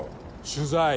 取材。